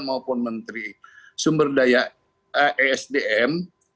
maupun menteri sumberdaya esdm